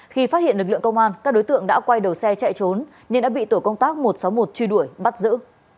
khi phát hiện lực lượng công an các đối tượng đã quay đầu xe chạy trốn nhưng đã bị tổ công tác một trăm sáu mươi một truy đuổi bắt giữ